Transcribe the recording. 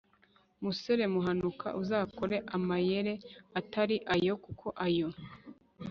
musore muhanuka, uzakore amayere atari ayo, kuko ayo